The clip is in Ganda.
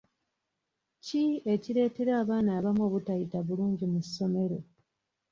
Ki ekireetera abaana abamu obutayita bulungi mu ssomero?